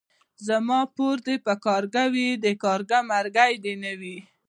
زما پور دي پر کارگه وي ،د کارگه مرگى دي نه وي.